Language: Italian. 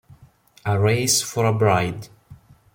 A Race for a Bride